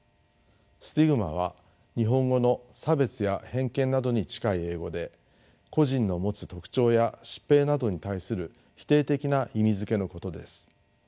スティグマは日本語の差別や偏見などに近い英語で個人の持つ特徴や疾病などに対する否定的な意味づけのことです。